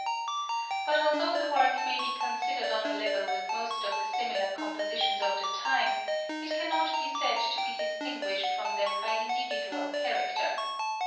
But although the work may be considered on a level with most of the similar compositions of the time, it cannot be said to be distinguished from them by individual character.